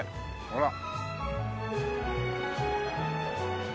ほら。